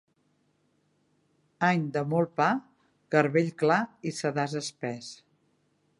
Any de molt pa, garbell clar i sedàs espès.